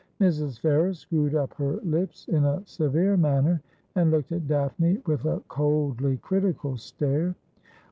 Mrs. Ferrers screwed up her lips in a severe manner, and looked at Daphne with a coldly critical stare.